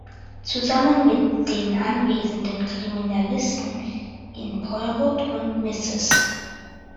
Zusammen mit den anwesenden Kriminalisten gehen Poirot und Mrs.